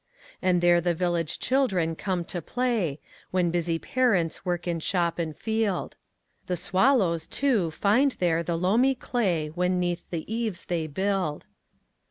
And there the village children come to play, When busy parents work in shop and field. The swallows, too, find there the loamy clayWhen 'neath the eaves they build.